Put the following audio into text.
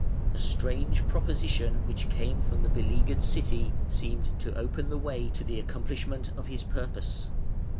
A strange proposition which came from the beleaguered city seemed to open the way to the accomplishment of his purpose.